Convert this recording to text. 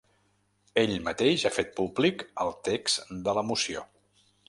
Ell mateix ha fet públic el text de la moció.